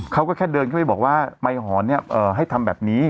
เขาก็แค่เดินเขาก็บอกว่าไมค์หอนเนี่ยให้ทำแบบนี้